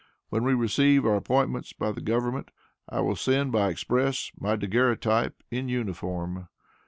When we receive our appointments by the Government. I will send by express, my daguerreotype in uniform.